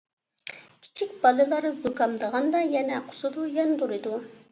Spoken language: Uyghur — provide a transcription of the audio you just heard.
كىچىك بالىلار زۇكامدىغاندا يەنە قۇسىدۇ، ياندۇرىدۇ.